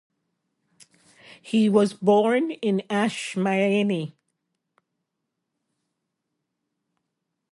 He was born in Ashmyany.